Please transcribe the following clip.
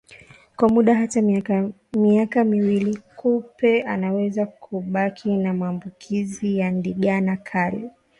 Kwa muda hata miaka miwili kupe anaweza kubaki na maambukizi ya ndigana kali